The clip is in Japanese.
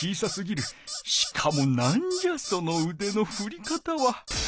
しかも何じゃそのうでのふり方は。